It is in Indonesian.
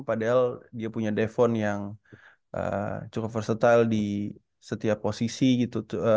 padahal dia punya defon yang cukup versatile di setiap posisi gitu